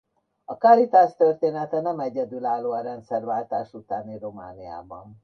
A Caritas története nem egyedülálló a rendszerváltás utáni Romániában.